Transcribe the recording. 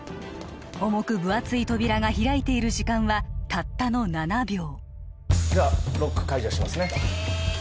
重く分厚い扉が開いている時間はたったの７秒じゃあロック解除しますね